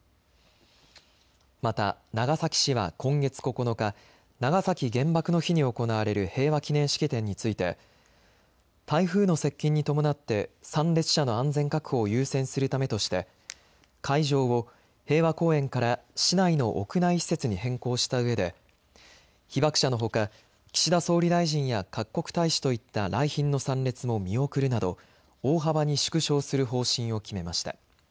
また長崎市は今月９日、長崎原爆の日に行われる平和祈念式典について台風の接近に伴って参列者の安全確保を優先するためとして会場を平和公園から市内の屋内施設に変更したうえで被爆者のほか岸田総理大臣や各国大使といった来賓の参列も見送るなど大幅に縮小する方針を決めました。